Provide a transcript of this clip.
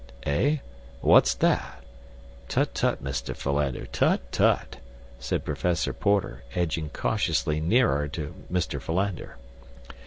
"Eh? What's that? Tut, tut, Mr. Philander, tut, tut!" said Professor Porter, edging cautiously nearer to Mr. Philander.